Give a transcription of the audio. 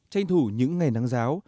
tranh thủ những ngày nắng giáo